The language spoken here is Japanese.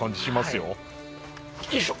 よいしょ。